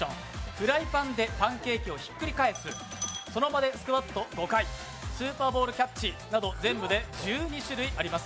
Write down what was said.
フライパンでパンケーキをひっくり返す、その場でスクワット５回、スーパーボールキャッチなど全部で１２種類あります。